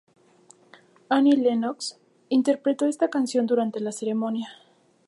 Annie Lennox interpretó esta canción durante la ceremonia.